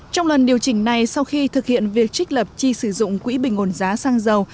trong lần điều chỉnh này sau khi thực hiện việc trích lập chi sử dụng quỹ bình ổn giá xăng dầu